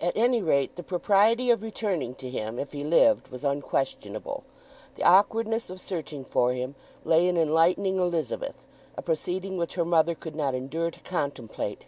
At any rate, the propriety of returning to him, if he lived, was unquestionable. The awkwardness of searching for him lay in enlightening Elizabeth, a proceeding which her mother could not endure to contemplate.